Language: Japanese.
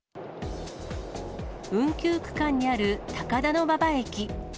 運休区間にある高田馬場駅。